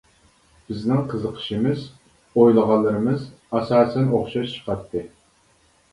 بىزنىڭ قىزىقىشىمىز، ئويلىغانلىرىمىز ئاساسەن ئوخشاش چىقاتتى.